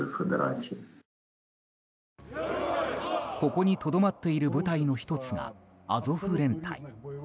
ここにとどまっている部隊の１つが、アゾフ連隊。